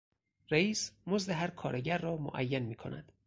رئیس، مزد هر کارگر را معین می کند.